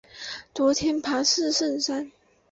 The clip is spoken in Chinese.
昨天爬四圣山